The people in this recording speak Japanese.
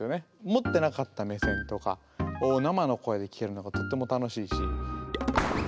持ってなかった目線とかを生の声で聞けるのがとっても楽しいし。